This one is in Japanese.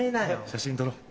写真撮ろう。